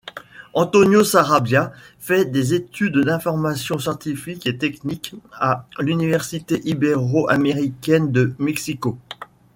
Antonio Sarabia fait des études d'information scientifique et technique à l'université ibéro-américaine de Mexico.